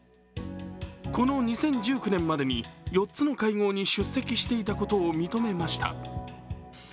この２０１９年までに４つの会合に出席していたことを認めました。